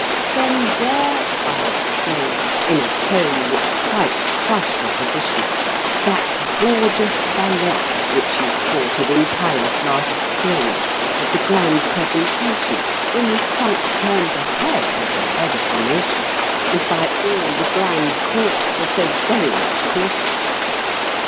"Then wear," I exclaimed, in a tone which quite crushed Opposition, "that gorgeous toilette which you sported In Paris last spring, at the grand presentation, When you quite turned the head of the head of the nation, And by all the grand court were so very much courted."